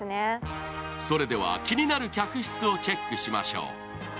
それでは気になる客室をチェックしましょう。